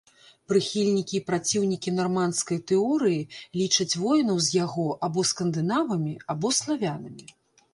Прыхільнікі і праціўнікі нарманскай тэорыі лічаць воінаў з яго або скандынавамі, або славянамі.